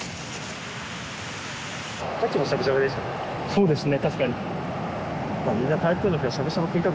そうですね。